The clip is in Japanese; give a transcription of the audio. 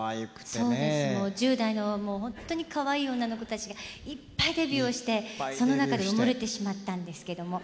そうですもう１０代のもう本当にかわいい女の子たちがいっぱいデビューをしてその中で埋もれてしまったんですけどもハハ。